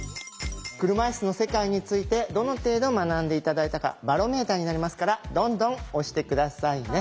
車いすの世界についてどの程度学んで頂いたかバロメーターになりますからどんどん押して下さいね。